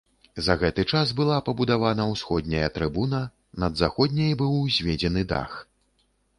За гэты час была пабудавана ўсходняя трыбуна, над заходняй быў узведзены дах.